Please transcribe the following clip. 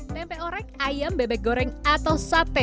tempe orek ayam bebek goreng atau sate